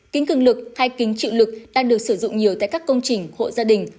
kính cưng lực hay kính trự lực đang được sử dụng nhiều tại các công trình hộ gia đình